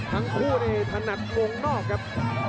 ทั้งคู่ในถนัดมุมนอกครับ